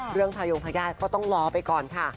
เรื่องทายงพระญาติก็ต้องรอไปก่อนค่ะ